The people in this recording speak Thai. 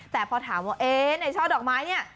แต่พอถามว่าในช่อดอกไม้นี่